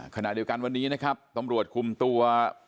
ขณะเดียวกันวันนี้นะครับตำรวจคุมตัว